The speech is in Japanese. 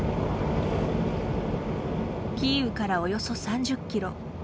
キーウからおよそ３０キロ。